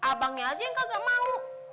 abangnya aja yang kagak mau